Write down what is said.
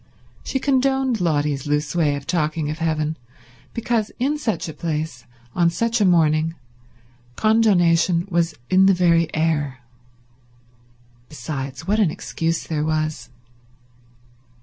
She condoned Lotty's loose way of talking of heaven, because in such a place, on such a morning, condonation was in the very air. Besides, what an excuse there was.